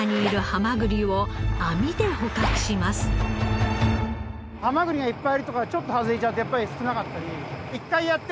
ハマグリがいっぱいいる所からちょっと外れちゃうとやっぱり少なかったり。